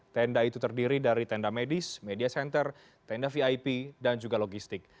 tenda itu terdiri dari tenda medis media center tenda vip dan juga logistik